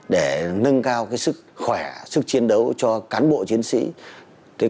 để nâng cao sức khỏe sức chiến đấu cho cán bộ chiến sĩ